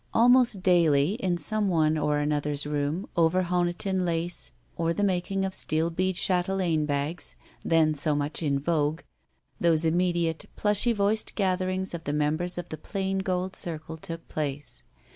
Almost daily, in some one or another's room, over Honiton lace or%the making of steel bead chatelaine bags, then so much in vogue, those immediate, plushy voiced gatherings of the members of the plain gold circle took place.